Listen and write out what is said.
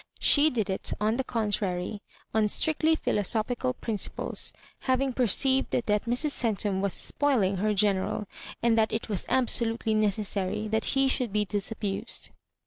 She did it, on the contrary, on strictly philosophical principles, having perceived that Mrs. Centum was spoiling her General, and that it was absolutely necessary that he should be disabused.